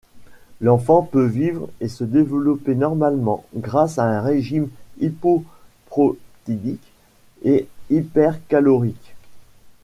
L'enfant peut vivre et se développer normalement grâce à un régime hypoprotidique et hypercalorique.